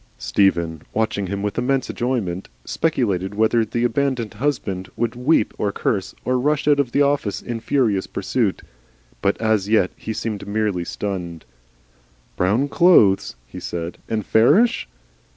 Stephen, watching him with immense enjoyment, speculated whether this abandoned husband would weep or curse, or rush off at once in furious pursuit. But as yet he seemed merely stunned. "Brown clothes?" he said. "And fairish?"